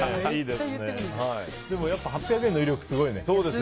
でもやっぱり８００円の威力すごいね。